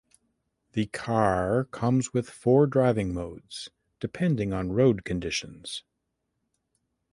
The car comes with four driving modes depending on road conditions.